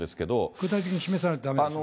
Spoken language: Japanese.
具体的に示さないとだめですね。